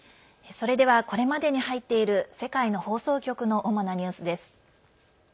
それではこれまでに入っている世界の放送局の主なニュースです。